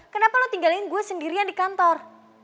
kenapa lo tinggalin gue sendirian di kantor